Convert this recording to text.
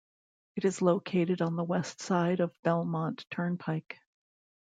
It is located on the west side of Belmont Turnpike.